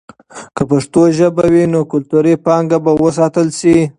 که پښتو ژبه وي، نو کلتوري پانګه به وساتل سي.